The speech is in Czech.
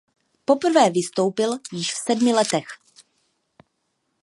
Poprvé vystoupil již v sedmi letech.